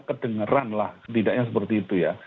kedengeran lah setidaknya seperti itu ya